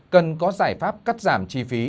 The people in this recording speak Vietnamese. cần có giải pháp cắt giảm chi phí